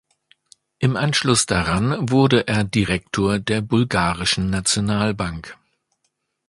Im Anschluss daran wurde er Direktor der Bulgarischen Nationalbank.